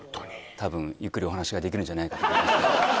多分ゆっくりお話ができるんじゃないかと思います